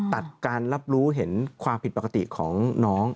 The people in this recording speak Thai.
ตัดการรับรู้เห็นความผิดปกติของน้อง